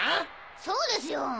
そうですよ！